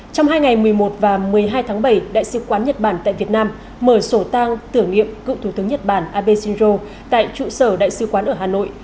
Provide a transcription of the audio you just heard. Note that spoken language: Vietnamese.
trong hai ngày một mươi một và một mươi hai tháng bảy đại sứ quán nhật bản tại việt nam mở sổ tăng tử nghiệm cựu thủ tướng nhật bản abe shinzo tại trụ sở đại sứ quán ở hà nội